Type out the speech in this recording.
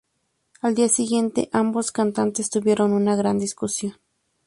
Al día siguiente, ambos cantantes tuvieron una gran discusión.